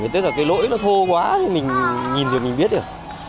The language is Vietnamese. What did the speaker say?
tức là cái lỗi nó thô quá thì mình nhìn rồi mình biết được